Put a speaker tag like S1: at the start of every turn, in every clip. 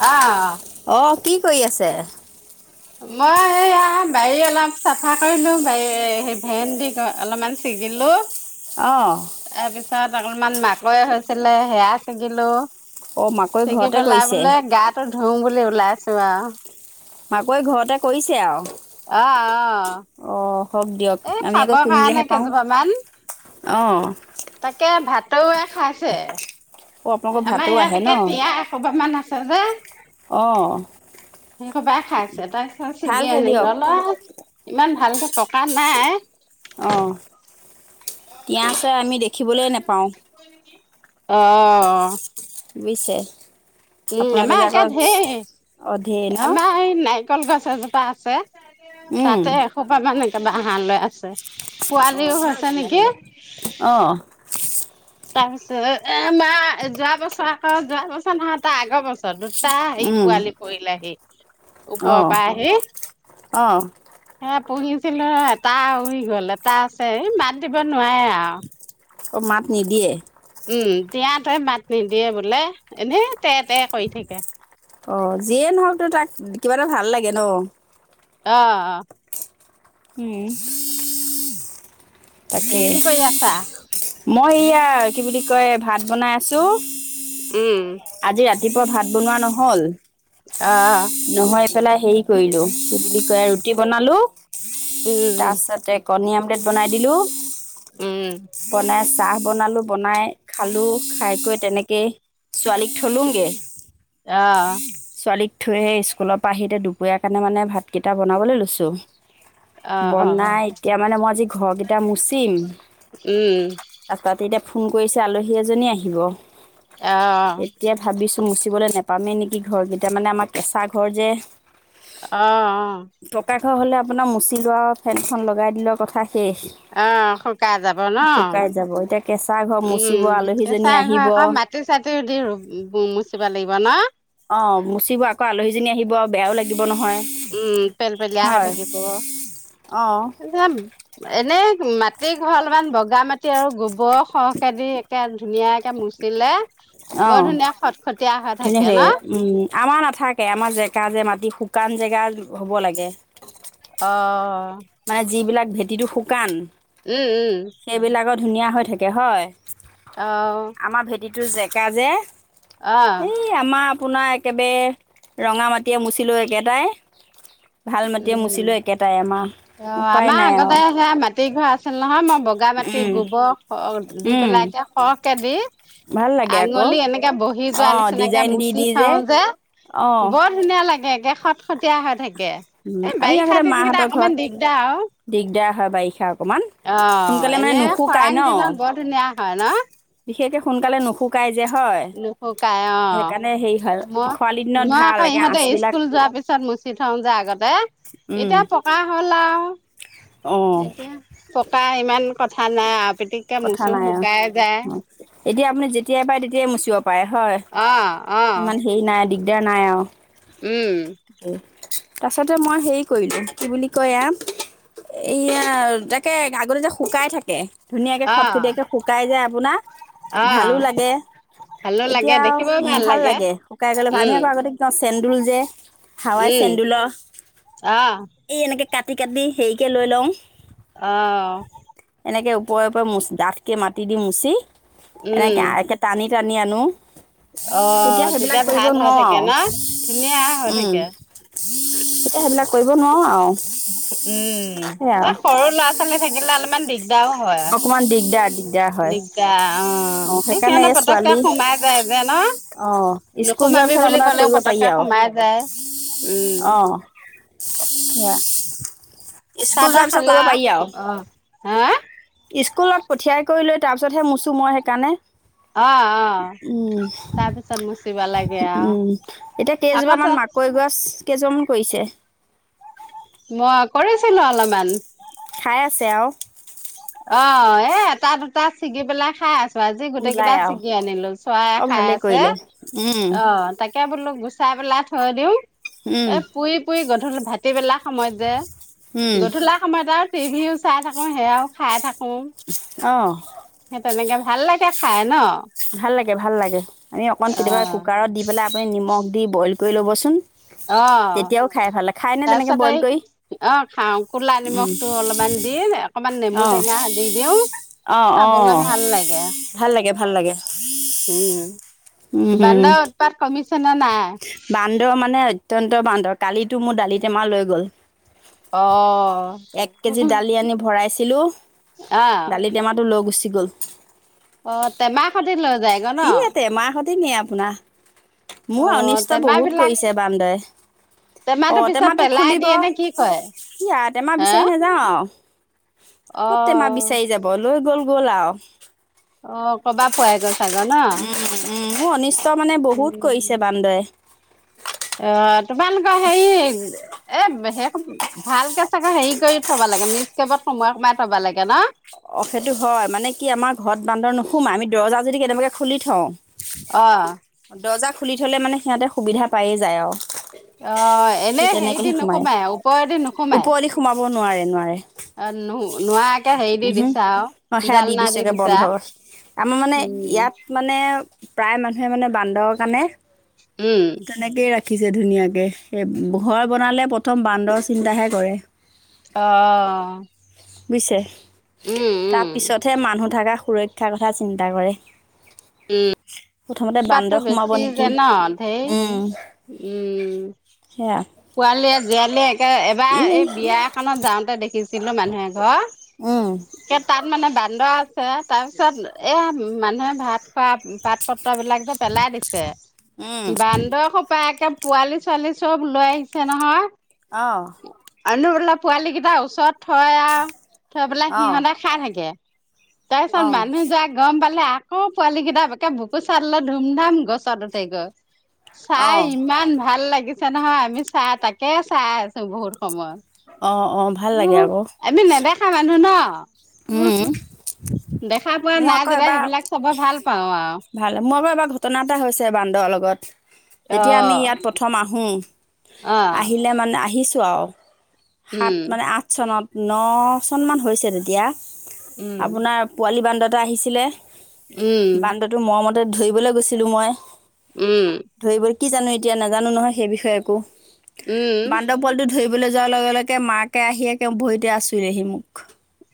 S1: অ
S2: অঁ কি কৰি আছে?
S1: মই এইয়া বাৰী অলপ চাফা কৰিলো, বাৰী ভেন্দি অলপমান ছিঙিলোঁ।
S2: অঁ।
S1: পিছত অলপমান মাকৈ হৈছিলে সেয়া ছিঙিলো।
S2: অঁ মাকৈ
S1: চেগি
S2: ঘৰতে
S1: পেলাই
S2: কৰিছে
S1: বোলে গা টো ধুও বুলি ওলাই ছোৱা
S2: মাকৈ ঘৰতে কৰিছে আৰু।
S1: অ
S2: অঁ হওক দিয়ক
S1: অ এই
S2: আমি
S1: খাব
S2: আকৌ
S1: কাৰণে
S2: কিনিলেহে পাওঁ
S1: কেইজোপা মান,
S2: অঁ
S1: তাকে ভাত টৌয়ে খাইছে।
S2: অঁ আপোনালোকৰ
S1: আমাৰ
S2: ভাতো
S1: ইয়াত
S2: আহে ন
S1: একে তিয়া এসোপামান আছে। যে
S2: অঁ।
S1: সেই সোপাই খাই আছোঁ। এটাই খা চিগি
S2: ভালহে
S1: আনিল
S2: দিয়ক
S1: নাই। ইমান ভালকে পকা নাই।
S2: অ তিয়া আমি দেখিবলৈ নোপাওঁ।
S1: আহ।
S2: বুইছে।
S1: উম আমাৰ আকে ধেই,
S2: অঁ ধেৰ ন
S1: আমাৰ না ৰিকল গছ এজোপা আছে। তাতে এসোপা মান তাত বাঁহ লৈ আছে।
S2: অ
S1: পোৱালিও
S2: ভাল
S1: হৈছে নেকি
S2: তেনেহলে আহ।
S1: তাৰ পিছত এ মা যোৱা বছৰ আকৌ যোৱা বছৰ নহ আগ বছৰটোত দুটা পোৱালি পৰিলেহি ওপৰৰ
S2: অঁ
S1: পৰা আহি,
S2: অঁ
S1: হে পুহিছ আছিলো ৰ এটা উৰি গ'ল এটা আছে এই মাত দিব নোৱাৰে আৰু
S2: অ' মাত নিদিয়ে?
S1: উম দিয়া তে মাত নিদিয়ে বোলে এনেই তে তে কৰি থাকে
S2: অ' যিয়ে নহওক তো তাক কিবা এটা ভাল লাগে ন?
S1: আহ আহ।
S2: উম
S1: তাকে কি কৰি আছা?
S2: মই এয়া কি বুলি কয় ভাত বনাই আছো।
S1: উম।
S2: আজি ৰাতিপুৱা ভাত বনোৱা নহ'ল।
S1: অ
S2: নহয়ফেলা হেই কৰিলো, কি বুলি কয় ৰুটি বনালো।
S1: উম
S2: তাৰছতে কণী আমলেট বনাই দিলোঁ।
S1: উম
S2: বনাছ চাহ বনালো বনাই খালো খাই কৰি তেনেকেই ছোৱালীক থলোঁগৈ।
S1: অহ।
S2: ছোৱালীক থৈ আহে স্কুলৰ পৰা আহিতে দুপৰীয়া কাৰণে মানে ভাতকেইটা বনাবলৈ লৈছো।
S1: অ অ
S2: বনাই এতিয়া মানে মই যে হয় এয়া মচিম
S1: উম,
S2: ত তাতে এতিয়া ফোন কৰিছে আলহী এজনী আহিব।
S1: অ',
S2: এতিয়া ভাবিছো মচিবলৈ নাপপামেই নেকি ঘৰ কেইতিয়া মানে আমাৰ কেঁচা ঘৰ যে।
S1: আহ অ'।
S2: থ হ'লে আপোনাৰ মুচ [unintelligible] লোৱা আৰু ফেনখন লগাই দিলোৱা কথা শেষ
S1: অ' শুকাা যাব ন
S2: শুকাই যাব এতিয়া কেঁচা ঘৰ মুচিব
S1: উম
S2: আলহীজনী
S1: কেঁচা ঘৰ
S2: আহিব
S1: আকৌ মাটি চাটিও দি ৰুব ৰুমবোৰ মুচিব লাগিব ন?
S2: অ' মুচিব আকৌ আলহীজনী আহিব বেয়াও লাগিব। নহয়
S1: উম পেল পেলিয়া হৈ
S2: হয়
S1: থাকিব
S2: অ
S1: যাম এনে মাটি ঘৰ অলপমান বগা মাটি আৰু গোবৰ সৰহকেদি একে ধুনীয়াকে মুচিলে বৰ
S2: অ'
S1: ধুনীয়া খটখটীয়া
S2: ধুনীয়া হৈ
S1: ন?
S2: থাকে। উম, আমাৰ নাথাকে আমাৰ জেকা যে মাটি শুকান জেগা হ'ব লাগে।
S1: অ'
S2: মানে যিবিলাক ভেঁটিটো শুকান।
S1: উম
S2: সেইবিলাকৰ
S1: উম।
S2: ধুনীয়া হৈ থাকে হয়।
S1: আহ।
S2: টো জেকা যে এই আমাৰ আপোনাৰ একেবাৰে ৰঙা মাটিয়ে মুচিলোঁ একেটাই। ভাল মাটিয়ে
S1: উম।
S2: মুচিলেও একেটাই আমাহ।
S1: অ আমাৰ আগতে হে তি ঘৰ আছিল নহয়, মই বগা মাটি
S2: উম
S1: গোবৰ দি
S2: উম
S1: পেলাই এতিয়া সৰহকে দি
S2: ভাল লাগে আকৌ
S1: আঙুলি এনেকে বহি
S2: অ
S1: যোৱা নিচিনাকে
S2: ডিজাইন দি
S1: মুুচি
S2: দি
S1: থও যে
S2: অ
S1: বৰ ধুনীয়া লাগে। তাকে খটখটীয়া হৈ থাকে
S2: উম
S1: এই
S2: আমি
S1: বাৰিষা
S2: আগতে
S1: দিনকেইটা
S2: মাহঁতৰ
S1: অকমান
S2: ঘৰত
S1: দিগদাৰ আৰু
S2: দিগদাৰ হয় বাৰিষা অকণমান
S1: অ
S2: সোনকালে মানে
S1: এনে
S2: নুশুকাই
S1: খৰাং
S2: ন।
S1: দিনত বৰ ধুনীয়া হয় ন
S2: কে সোনকালে নুশুকাই য
S1: নুশুকাই অ',
S2: হেৰি হয়
S1: মই,
S2: খৰালি দিনত
S1: মই
S2: ভাল
S1: আকৌ
S2: একে
S1: ইহঁতে
S2: আচবিলাক
S1: স্কুল যোৱাৰ পিছত মুচি থওঁ। প যোয় আগতে
S2: উম
S1: এতিয়া পকা হ'ল আৰু
S2: অ
S1: এতিয়া পকা ইমান কথা নাই আ
S2: কথা নাই আৰু, অ, এতিয়া আপুনি যেতিয়াই পাৰে তেত যে মুছিব পায় হয়,
S1: আহ আহ
S2: ইমান হেৰি নাই দিগ দে নাই আৰু
S1: উম।
S2: তাৰছতে মই হেৰি কৰিলো, কি বুলি কয় এয়া, এইয়া তাকে আগতে যে শুকাই থাকে। ধুনীয়াকৈ
S1: আহ
S2: খটখটীয়াকৈ শুকাই যায় আপোনাৰ
S1: আহ
S2: ভালো লাগে
S1: ভালো লাগে
S2: এতিয়া
S1: দেখিবও
S2: ভাল লাগে শুকাই গ'লে আমি
S1: উম
S2: আকৌ আগতে ক চেন্দুল যে হাৱাই
S1: উম
S2: চেন্দুলৰ
S1: আহ
S2: এই এনেকৈ কাটি কাটি হেৰিকে লৈ লওঁ।
S1: আহ
S2: এনেকে ওপৰে ওপৰে মুচ, ডাঠকে মাতি দি মুচি
S1: উম
S2: এনেকে আৰকে টানি জানি আনো
S1: অ
S2: এতিয়া সেইবিলাক
S1: তেতিয়া
S2: কৰিব
S1: ভাল হৈ
S2: নোৱাৰো
S1: থাকে
S2: আৰু
S1: ন ধুনীয়া হৈ
S2: উম,
S1: থাকে।
S2: এতিয়া সেইবিলাক কৰিব নোৱাৰো আৰু
S1: উম,
S2: সেয়া
S1: এ
S2: আৰু
S1: সৰু ল'ৰা-ছোৱালী থাকিলে অলপমান দিগদাও হয় দিগদাৰ
S2: অ',
S1: অহঁ এই
S2: সেইকাৰণে
S1: সিহঁতৰ পতককে
S2: ছোৱালী
S1: সোমাই যায় যে নহঁ
S2: অ', স্কুল যোৱাৰ
S1: নোহোমামি
S2: পিছত
S1: বুলি
S2: আপোনাৰ
S1: কলেও
S2: কৰিব পাৰি
S1: পতককে
S2: আৰু
S1: সোমাই যায় উম।
S2: সেইয়া
S1: চাহ তাহ খালা অ হা
S2: স্কুলত পঠিয়াই কৰি লৈ তাৰপিছতহে মোচোঁ মই সেইকাৰণে
S1: অহঁ অহঁ তাৰ পিছত মুচিব লাগে
S2: উম
S1: অহ আকৌ ত
S2: কেইজন কৰিছে।
S1: মই কৰিছিলো অলপমান।
S2: খাই আছে আৰু
S1: অ এ এটা দুটা ছিগি পেলাই খাই আছোঁ। আজি গোটেই
S2: ওলাই
S1: কেইটা
S2: আৰু
S1: ছিগি আনিলো, চৰাইয়ে
S2: অ
S1: খাই
S2: ভালেই
S1: আছে,
S2: কৰিলে উম
S1: অ', তাকে বোলো। গুচাই পেলাই থৈ দিওঁ।
S2: উম
S1: এ পুৰি পুৰি গ ভাটিবেলা সময়ত যে
S2: উম
S1: দিনতো ওলাই আমাৰ তাত টিভিও চাই থাকো সেয়াঁও খায় থাক।
S2: অহ।
S1: তেনেকে ভাল লাগে খাই ন
S2: ভাল লাগে, ভাল লাগে, আমি অকন
S1: অ
S2: কেতিয়াবা কুকাৰত দি পেলাই আপুনি নিমখ দি বইল কৰি ল'বচোন। তেতিয়াও খাই ভাল লাগে খায়নে
S1: অহ
S2: তেনেকৈ
S1: তাৰপিছতে
S2: বইল কৰি
S1: এই আহ খাওঁ কলা নিমখটো অলপমান দি অকণমান নেমু
S2: অঁ
S1: টেঙা দি দিওঁ
S2: অঁ
S1: খাবলৈ
S2: অঁ
S1: ভাল লাগে।
S2: ভাল লাগে ভাল
S1: উম
S2: লাগে
S1: বানদা পাৰ কমি শুনিছ নে নাই।
S2: বান্দৰ মানে অত্যন্ত বান্দৰ কালিতো মোৰ দালি টেমা লৈ গ'ল।
S1: অহঁ।
S2: এক কেজি দালি আনি ভৰাইছে হেল্ল' দালি টেমাটো লয় গুচি গ'ল।
S1: অহঁ তেমা খাটি লৈ যায়গৈ ন?
S2: ইয়া টেমা সইতে নিয়ে আপোনাৰ, মোৰ
S1: অ',
S2: অনিষ্ট
S1: টেমা
S2: বহুত
S1: বিলাক
S2: কৰিছে বান্দৰে, অ',
S1: পিছত
S2: টেমাটো
S1: পেলাই
S2: খুলিব
S1: দিয়ে নে কি কৰে?
S2: ই আও টেমা
S1: হে
S2: বিচাৰি নাযাওঁ আৰু ক'ত টেমা
S1: অ',
S2: বিচাৰি যাব লৈ গ'ল। ব'লা
S1: অ', কবা পোৱাই জন চাগে নহঁ।
S2: উ নিশ্চয় ত মানে বহুত কৰিছে বান্দৰে
S1: অ', তোমালোকৰ হেৰি এে ভালকে চাগে হেৰি কৰি থবা লাগে মিচ কেবত সময় কমাই থবা লাগে ন
S2: অ, সেইটো হয়, মানে কি আমাৰ ঘৰত বান্দৰ নোসোমাই, আমি দৰজা যদি কেনেকে খুলি থওঁ
S1: আহ
S2: ফুলি থ'লে মানে সিহঁতে সুবিধা পায়েই যায় আৰু
S1: অ এনে
S2: সেই
S1: হেৰি দি
S2: তেনেকৈহে সোমায়
S1: নোসোমাই ওপৰেদি নোসোমাই
S2: ওপৰদি সোমাব নোৱাৰে
S1: অ নো নোৱাকে হেৰি। দি
S2: উম হম
S1: দিছা আৰু
S2: সেৱা দি
S1: জালনা
S2: দিছেগে
S1: দিছা
S2: বন্ধ আমাৰ মানে
S1: উম
S2: ইয়াত মানে প্ৰায় মানুহে মানে বান্দৰৰ কাৰণে।
S1: উম
S2: তেনেকে ৰাখি। ৰাখিছে ধুনীয়াকে এই ঘৰ বনালে প্ৰথম বান্দৰ চিন্তাহে কৰে
S1: অ
S2: বিছে
S1: উম উম
S2: তাৰ পিছতহে মানুহ থকা সুৰক্ষাৰ কথা চিন্তা কৰে
S1: উম।
S2: প্ৰথমতে
S1: পাতটো
S2: বান্দৰ সোমাব
S1: বেছি যে
S2: নেকি
S1: ন ধেৰ
S2: উম
S1: উম
S2: সেয়া
S1: পোৱালীয়ে জীয়ালীয়ে একে এবাৰ
S2: ই
S1: এই বিয়া এখনত যাওঁতে দেখিছো ছিলো মানুহে ঘৰ
S2: উম
S1: তাত মানে বান্দৰ তাৰপিছত এইয়া মানুহে ভাত খোৱা পাত প্ৰ বিলাক যে পেলাই দিছে
S2: উম
S1: বান্দৰ সোপা একে পোৱালি ছোৱালী চব লৈ আহিছে নহয়।
S2: আহঁ
S1: অনব পোৱালীিকেইটা ওচৰত থৈ আৰু থৈবিলাক
S2: অ
S1: সিহঁতে খাই থাকে তাৰপিছত
S2: অ
S1: মানুহ যাক গম পালে। অ পোৱালী কেইটা একে বুক পুচাৰ ল ধুম ধাম গছত উঠাই গছ।
S2: অ
S1: চাই ইমান ভাল লাগিছে পছে নহয় আমি চাই তাকে চাই আছো বহুত সময়।
S2: অ অ ভাল লাগে
S1: উ আমি নেদেখা মানুহ ন
S2: হম
S1: দেখা পোৱা
S2: মোৰ
S1: নাই
S2: আকৌ
S1: যেতিয়া
S2: এবাৰ
S1: সেইবিলাক চাব ভাল পাওঁ আও।
S2: ভাল মোৰ আকৌ এবাৰ ঘটনা এটা হৈছে বান্দৰ ত লগত যেতিয়া আমি
S1: অ',
S2: ইয়াত প্ৰথম আ হম
S1: অ',
S2: আহিলে মানে আহি যাও সাত
S1: উম,
S2: মানে আঠ চনত ন চনমান হৈছে তেতিয়া
S1: উম,
S2: আপোনাৰ পোৱালী বান্দত আহিছিলে
S1: উম,
S2: বান্দটো মৰমত তাতে ধৰিবলৈ গৈছিলো মই
S1: উম
S2: ধৰিবলৈ কি জানো এতিয়া নাজানো নহয় সেই বিষয়ে একো
S1: উম,
S2: বান্দৰ পোৱালিটো ধৰিব লৈ যোৱাৰ লগে লগে মাকে আহি একে ভৰিতে আছোৰিলে হী মোক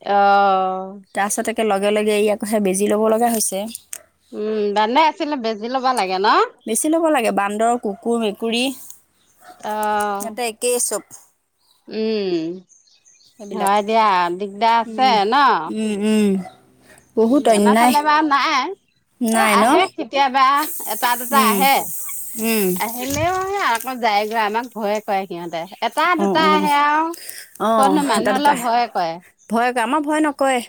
S1: অ
S2: তাৰপাছতকে লগ লগে লগে ইয়াৰ কথা বেজি ল'ব লগা হৈছে
S1: উম দানে আছিলে বেজি লবা লাগে ন
S2: বেছি ল'ব লাগে বান্দৰ কুকুৰ মেকুৰী
S1: অঁ
S2: সিহঁতে একেই চব
S1: উম
S2: সেইবিলাক
S1: হয় দিয়া দিগদাৰ আছে
S2: উম,
S1: ন
S2: উম, উম।
S1: উ
S2: বহুত
S1: আমাৰ
S2: অন্যায়
S1: ফালে বাৰ নাই এ
S2: নাই ন?
S1: আহে কেতিয়াবা এটা দুটা
S2: উম,
S1: আহে
S2: উম,
S1: আহিলেও আহে মই যায়গৈ আমাক ভয়ে কৰে সিহঁতে এটা
S2: অ
S1: দুটা
S2: অ
S1: আহে আৰু
S2: আহ
S1: কতনো
S2: এটা
S1: মানুহ
S2: দুতা
S1: অলপ ভয়ে কৰে
S2: ভয় কয় আমাৰ ভয় নকয়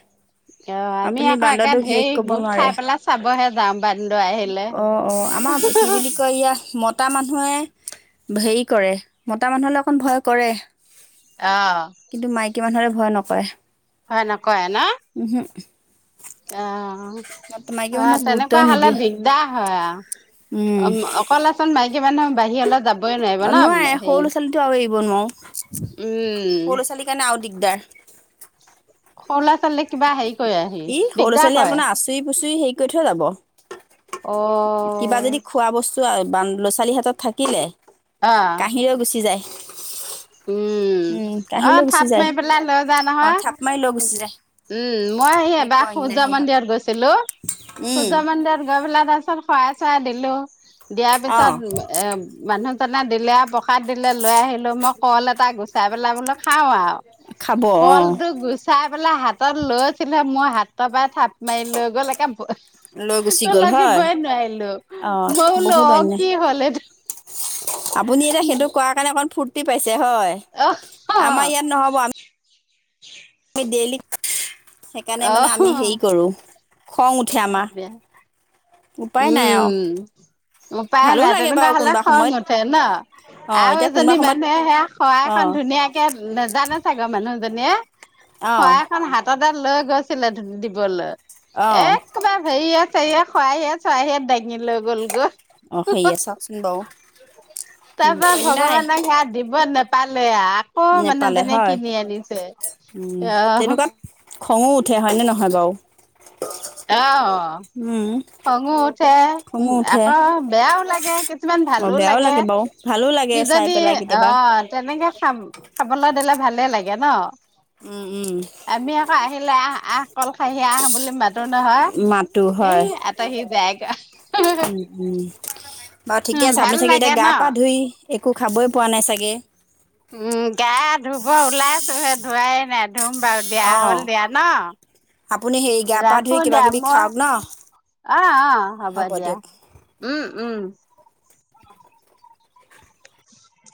S1: অ আমি আকৌ একে ধেৰ গোট
S2: নোৱাৰে।
S1: খাই পেলাই চাবহে যাওঁ বান্দৰ আহিলে
S2: অ', অ', আমাৰ কি বুলি কয় ইয়া মতা মানুহে হেৰি কৰে মতা মানুহ লগ অকণ ভয় কৰে
S1: অঁ
S2: কি মানুহলে ভয় নকৰে
S1: হয় নকয়ে ন
S2: উহু
S1: অ
S2: মাইকী
S1: হয়
S2: মানুহক
S1: তেনেকুৱা
S2: গুৰুত্বই
S1: হলে
S2: নিদিয়ে।
S1: দিগদাৰ হয়
S2: উম,
S1: আৰু অ অকলেচোন মাইক কিমানোহ বাহিৰলে
S2: নোৱাৰে সৰু ল'ৰা ছোৱালীটো আৰু এৰিব নোৱাৰো
S1: উম
S2: সৰু ল'ৰা ছোৱালীৰ কাৰণে আৰু দিগদাৰ
S1: সৰ ললা চালে কিবা আহে
S2: ই সৰু ছোৱালী আপোনাৰ আচুৰি পুচুৰি হেৰি কৰি থৈ যাব কিবা
S1: অ
S2: যদি খোৱা বস্তু বাান ল' ছোৱালীহঁতৰ লগত থাকিলে
S1: অ',
S2: কাঁহীৰেও গুচি যায়।
S1: উম অ
S2: কাঁহীলৈ গুচি
S1: থাপ
S2: যায়
S1: মাৰি পেলাই লৈ যা
S2: অ
S1: নহয়
S2: থাপ মাৰি লৈ
S1: উম
S2: গুচি যায়
S1: মই স এবাৰ
S2: এনেকুৱা
S1: সূৰ্য
S2: অন্যায় সিহঁত
S1: মন্দিৰত গৈছিলো
S2: উম
S1: সূৰ্য মন্দিৰত গৈ পেলাই তত ত পিছত খোৱাই চাই দিলো দিয়াৰ
S2: অ
S1: পিছত এ মানুহ দিলে আৰু প্ৰসাদ, দিলে লৈ আহিলো মোক কল, এটা গুচাই পেলাই বোলে খাওঁ। আৰু
S2: খাব অ
S1: কলটো গুচাই পেলাই হাতত লৈছিলে মই হাতৰ পৰাাই থাপ মাৰি লৈ গ'ল একে
S2: লৈ গুচি
S1: তো
S2: গ'ল হয়
S1: লাগিবই নোৱাৰিলো
S2: অ
S1: মই বোলো
S2: বহুত
S1: অ
S2: অন্যায়
S1: কি হ'লে
S2: আপুনি এতিয়া সেইটো কৰ কাৰণে অকণ ফুৰৰ্ত পাইছে হয়
S1: অ',
S2: আমাৰ
S1: অ',
S2: ইয়াত নহ'ব আমি দেলি সেইকাৰণে মানে আমি হেৰি কৰো, খং উঠ
S1: অ এবয়া
S2: নাই আৰু
S1: উম উপায়
S2: ভালো
S1: নাই
S2: লাগে
S1: তেনেকুৱা
S2: বাৰু
S1: হলে
S2: কোনোবা
S1: খং
S2: সময়ত
S1: উঠে ন
S2: অ
S1: আৰু
S2: এতিয়া কোনোবা
S1: এজনী
S2: সময়ত
S1: মানুহে সেইয়া খৰা
S2: অ
S1: এখন ধুনীয়াকে নাজানে চাগৰ মানুহ যেনে
S2: অ
S1: শৰাই খন হাতত এটা লৈ গৈছিলে, ধুনুক দিবলৈ।
S2: অ
S1: একবাৰ হেৰি চেৰি আছে। সৰাহিয়ে-চৰাহিয়ে দাঙিলৈ
S2: অ
S1: গ'লগৈ।
S2: সেয়া চাওকচোন বাৰু
S1: তাৰপা
S2: অন্যায়
S1: ভগৱানক ইয়াত দিব ন পালে অ আকৌ
S2: নেপালে
S1: মানুহজনে
S2: হয়
S1: কিনি আনিছে
S2: উম
S1: আহ
S2: তেনেকুৱা খঙো উঠে হয়নে নহয় বাৰু
S1: অ।
S2: উম
S1: খঙো উঠে, উম।
S2: খঙো উঠে
S1: আকৌ বেয়াও লাগে, কিছুমান ভালো
S2: বেয়াও
S1: লাগে।
S2: বাৰু ভালো লাগে চাই
S1: কিজনী
S2: পেলাই
S1: অ,
S2: কেতিয়াবা
S1: তেনেকে খাম খাবলৈ দিলে ভালে লাগে ন।
S2: উম উম।
S1: আমি আহিলে আহ আহ কল খহি আহ বুলি মা টো নহয়, এই আটহি যায় [unintelligible]
S2: উম-উম। বাৰু ঠিকে
S1: উম
S2: আছে,
S1: ভাল
S2: আপুনি চাগে
S1: লাগে
S2: এতিয়া, গা
S1: ন
S2: পা ধুই একো খাবই পোৱা নাই চাগে
S1: উম। গা ধুব ওলাইছ ধৱাই নাই ধুম বাৰু দিয়া,
S2: অ
S1: হ'ল দিয়া ন?
S2: আপুনি হেৰি গা পা ধুই
S1: ৰাখো
S2: কিবা
S1: দিয়া
S2: কিবি
S1: মই,
S2: খাওক ন
S1: অ-অ, হ'ব দিয়া, উম। উম।